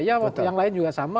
ya yang lain juga sama